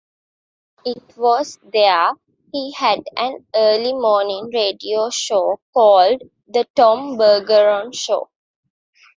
It was there he had an early-morning radio show called "The Tom Bergeron Show".